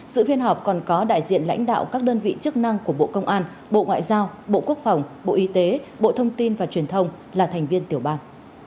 sự phiên họp còn có đại diện lãnh đạo các đơn vị chức năng của bộ công an bộ ngoại giao bộ quốc phòng bộ y tế bộ thông tin và truyền thông là thành viên tiểu ban